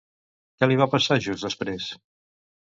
Què li va passar just després?